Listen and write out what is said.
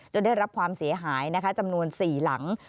ได้รับความเสียหายนะคะจำนวน๔หลัง